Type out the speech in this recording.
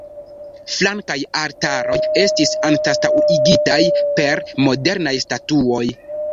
Flankaj altaroj estis anstataŭigitaj per modernaj statuoj.